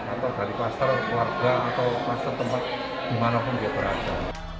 atau dari kluster keluarga atau kluster tempat dimanapun dia berada